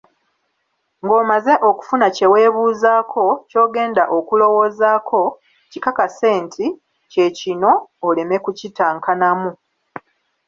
Ng'omaze okufuna kye weebuuzaako, ky'ogenda okulowoozaako, kikakase nti: Kye kino, oleme kukintankanamu.